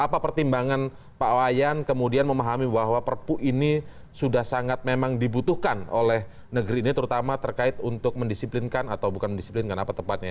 apa pertimbangan pak wayan kemudian memahami bahwa perpu ini sudah sangat memang dibutuhkan oleh negeri ini terutama terkait untuk mendisiplinkan atau bukan mendisiplinkan apa tepatnya